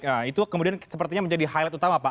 nah itu kemudian sepertinya menjadi highlight utama pak